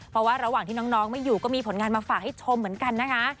เพราะว่าระหว่างที่น้องไม่อยู่ก็มีผลงานมาฝากให้ชมเหมือนกันนะคะ